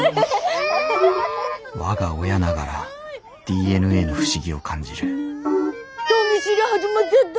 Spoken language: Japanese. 我が親ながらＤＮＡの不思議を感じる人見知り始まっちゃった？